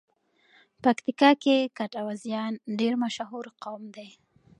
پکیتیکا کې ګټوازیان ډېر مشهور قوم دی.